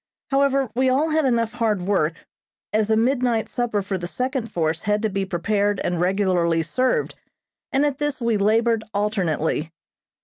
However, we all had enough hard work, as a midnight supper for the second force had to be prepared and regularly served, and at this we labored alternately.